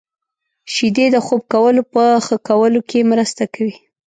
• شیدې د خوب کولو په ښه کولو کې مرسته کوي.